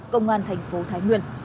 công an thành phố thái nguyên